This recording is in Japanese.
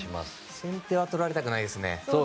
先手は取られたくないですね。